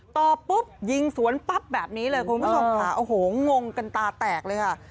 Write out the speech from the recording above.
ต่อปุ๊บยิงสวนปั๊บแบบนี้เลยคุณผู้ชมค่ะโอ้โหงงกันตาแตกเลยค่ะ